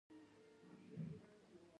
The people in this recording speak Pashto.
زړه په دقیقه کې پنځه لیټره وینه پمپ کوي.